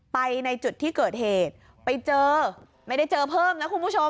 ในจุดที่เกิดเหตุไปเจอไม่ได้เจอเพิ่มนะคุณผู้ชม